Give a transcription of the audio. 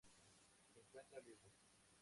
Se encuentra libre.